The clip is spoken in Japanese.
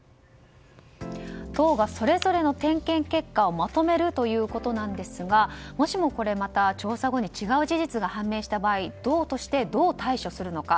党がそれぞれの点検結果をまとめるということなんですがもしも、また調査後に違う事実が判明した場合党としてどう対処するのか。